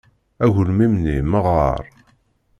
Agelmim-nni meɣɣer.